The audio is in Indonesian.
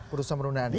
putusan penundaan ini